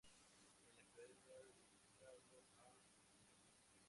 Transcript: En la actualidad está dedicado a hostelería.